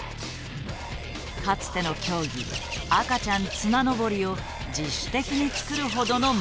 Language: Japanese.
かつての競技「赤ちゃん綱登り」を自主的に作るほどの猛者だ。